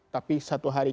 tapi satu hari